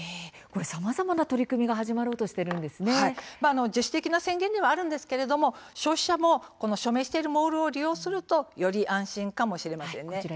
さまざまな取り組みが自主的な宣言ではあるんですが消費者も署名しているモールを利用するとより安心かもしれませんね。